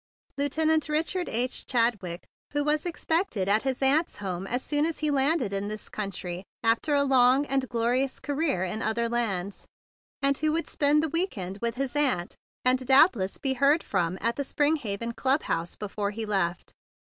Lieutenant Richard LL Chadwick, who was ex¬ pected at his aunt's home as soon as he landed in this country after a long and glorious career in other lands, and who would spend the week end with his aunt, and "doubtless be heard from at the Springhaven Club House before he left."